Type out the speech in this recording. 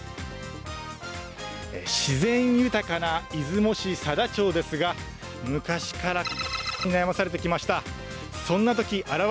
自然豊かな出雲市佐田町ですが、昔から○○に悩まされてきました。